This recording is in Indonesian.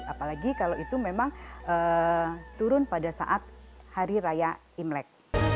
apalagi kalau itu memang turun pada saat hari raya imlek